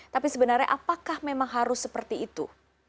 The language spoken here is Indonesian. tapi sebenarnya apakah memang harus seperti itu